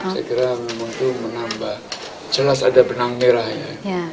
saya kira memang itu menambah jelas ada benang merahnya